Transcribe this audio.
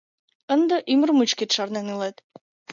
— Ынде ӱмыр мучкет шарнен илет!..